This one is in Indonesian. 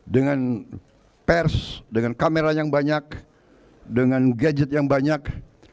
dengan pers dengan kamera yang banyak dengan gadget yang banyak